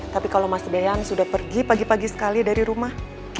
tapi kalau mas beyan sudah pergi pagi pagi sekali dari rumah